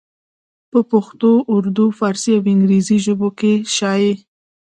پۀ پښتو اردو، فارسي او انګريزي ژبو کښې شايع